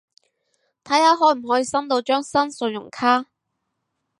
睇下可唔可以申到張新信用卡